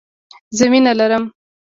زه مینه لرم.